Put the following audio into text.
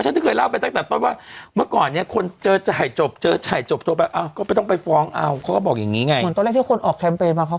เหมือนตอนแรกที่คนออกแคมเป็นมาเขาอาจจะไม่คิดว่ามันดาลังมาก